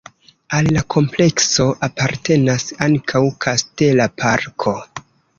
Al la komplekso apartenas ankaŭ kastela parko.